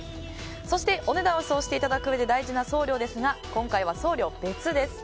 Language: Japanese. そしてお値段を予想していただくうえで大事な送料ですが今回は送料別です。